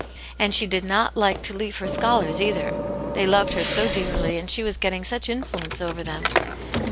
And she did not like to leave her scholars either; they loved her so dearly, and she was getting such influence over them.